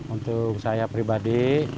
untuk saya pribadi